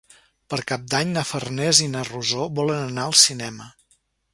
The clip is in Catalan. Per Cap d'Any na Farners i na Rosó volen anar al cinema.